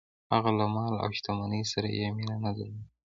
هغه له مال او شتمنۍ سره یې مینه نه درلوده.